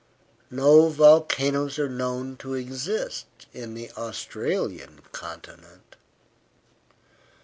No volcanoes are known to exist in the Australian continent.